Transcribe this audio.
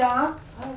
はい。